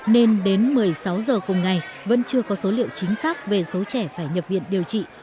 nên đến một mươi sáu giờ cùng ngày vẫn chưa có số liệu chính xác về số trẻ phải nhập viện điều trị